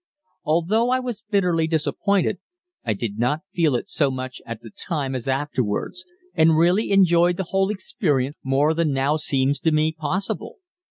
Although I was bitterly disappointed, I did not feel it so much at the time as afterwards, and really enjoyed the whole experience more than now seems to me possible.